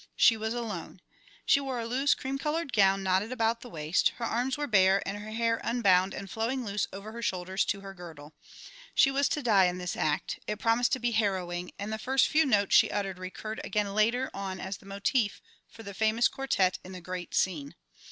She was alone. She wore a loose cream coloured gown knotted about the waist; her arms were bare, and her hair unbound and flowing loose over her shoulders to her girdle. She was to die in this act; it promised to be harrowing; and the first few notes she uttered recurred again later on as the motif for the famous quartet in the "great scene."